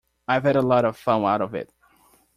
I've had a lot of fun out of it.